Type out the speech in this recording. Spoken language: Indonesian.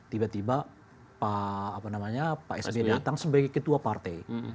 tiba tiba pak sby datang sebagai ketua partai